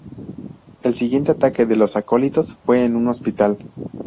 El siguiente ataque de los Acólitos fue en un hospital.